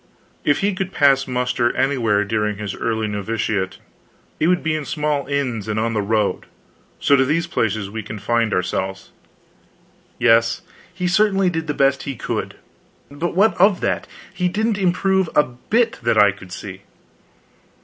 If he could pass muster anywhere during his early novitiate it would be in small inns and on the road; so to these places we confined ourselves. Yes, he certainly did the best he could, but what of that? He didn't improve a bit that I could see.